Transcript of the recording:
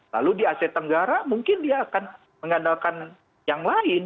lalu di asia tenggara mungkin dia akan mengandalkan yang lain